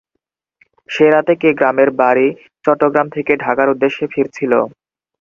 সে রাতে কে গ্রামের বাড়ি চট্রগ্রাম থেকে ঢাকার উদ্দেশ্যে ফিরছি্লো?